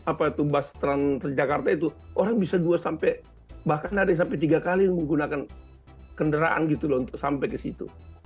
apa itu bus transjakarta itu orang bisa dua sampai bahkan ada yang sampai tiga kali menggunakan kendaraan gitu loh untuk sampai ke situ